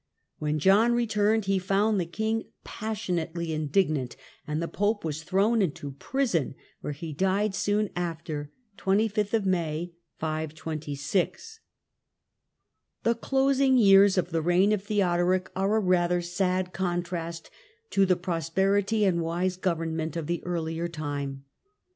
When John returned he Dund the King passionately indignant, and the Pope /as thrown into prison, where he died soon after (25th lay, 526). The closing years of the reign of Theodoric are a Last year ather sad contrast to the prosperity and wise govern doric lent of the earlier time.